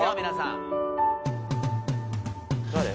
皆さん誰？